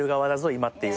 今っていうね